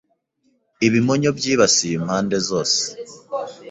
ibimonyo byibasiye impande zose.